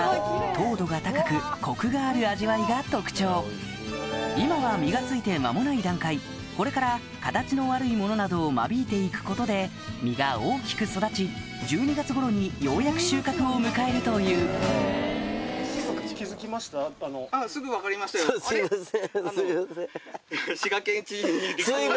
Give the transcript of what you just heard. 糖度が高くコクがある味わいが特徴今は実がついて間もない段階これから形の悪いものなどを間引いていくことで実が大きく育ち１２月頃にようやく収穫を迎えるというすいませんすいませんハハハ。